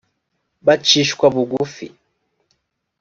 bacishwa bugufi